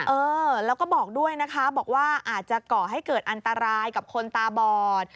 เออแล้วก็บอกด้วยนะคะบอกว่าอาจจะก่อให้เกิดอันตรายกับคนตาบอด